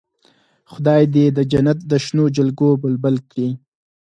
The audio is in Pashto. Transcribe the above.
خدای دې د جنت د شنو جلګو بلبل کړي.